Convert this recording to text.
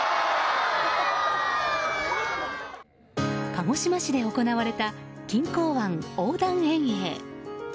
鹿児島市で行われた錦江湾横断遠泳。